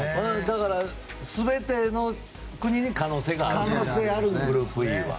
だから、全ての国に可能性がある、グループＥは。